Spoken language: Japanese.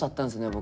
僕。